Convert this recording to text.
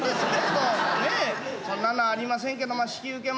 そんなのありませんけどまあ引き受けましょう。